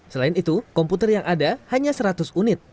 selain itu komputer yang ada hanya seratus unit